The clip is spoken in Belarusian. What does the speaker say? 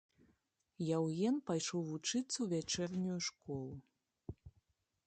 Яўген пайшоў вучыцца ў вячэрнюю школу.